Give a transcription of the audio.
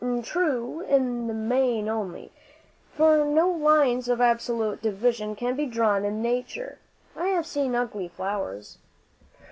"True in the main only; for no lines of absolute division can be drawn in nature. I have seen ugly flowers."